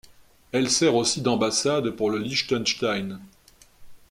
Elle sert aussi d'ambassade pour le Liechtenstein.